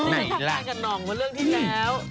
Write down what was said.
นี่ค่ายกับน้องเป็นเรื่องที่แล้ว